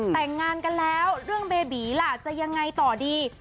แต่งงานกันแล้วเรื่องเบบีล่ะจะยังไงต่อดี